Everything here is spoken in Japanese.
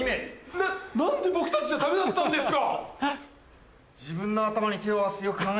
えっ何で僕たちじゃダメだったんですか？